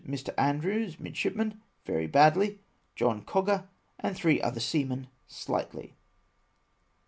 — Mr. Andrews, midshipman, very badly ; Jolm Coger, and three other seamen, slightly.